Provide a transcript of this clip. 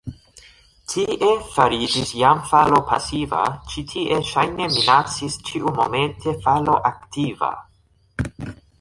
Tie fariĝis jam falo pasiva, ĉi tie ŝajne minacis ĉiumomente falo aktiva.